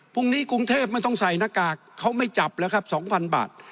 กรุงเทพไม่ต้องใส่หน้ากากเขาไม่จับแล้วครับ๒๐๐บาท